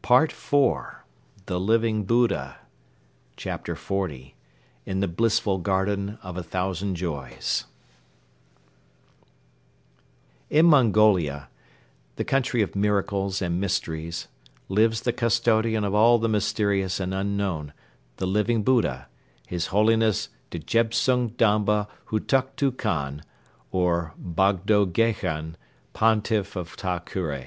Part IV THE LIVING BUDDHA CHAPTER XL IN THE BLISSFUL GARDEN OF A THOUSAND JOYS In Mongolia, the country of miracles and mysteries, lives the custodian of all the mysterious and unknown, the Living Buddha, His Holiness Djebtsung Damba Hutuktu Khan or Bogdo Gheghen, Pontiff of Ta Kure.